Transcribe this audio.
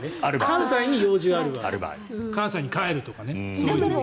関西に用事がある場合関西に帰るとか。